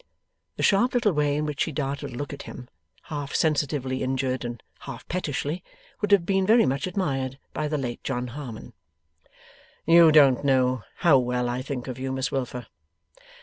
The sharp little way in which she darted a look at him, half sensitively injured, and half pettishly, would have been very much admired by the late John Harmon. 'You don't know how well I think of you, Miss Wilfer.